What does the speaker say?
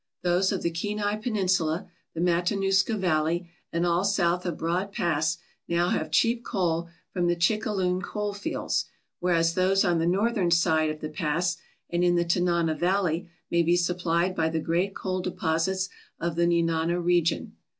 Those of the Kenai Peninsula, the Matanuska valley, and all south of Broad Pass now have cheap coal from the Chicka loon coal fields, whereas those on the northern side of the pass and in the Tanana valley may be supplied by the great coal deposits of the Nenana region.